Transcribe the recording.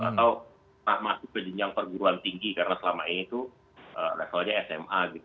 atau pernah masuk ke jenjang perguruan tinggi karena selama ini tuh levelnya sma gitu